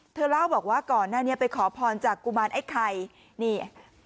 เธอเล่าบอกว่าก่อนหน้านี้ไปขอพรจากกุมารไอ้ไข่นี่